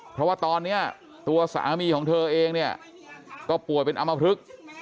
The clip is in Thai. เพราะว่าตอนนี้ตัวสามีของเธอเองเนี่ยก็ป่วยเป็นอำมพลึก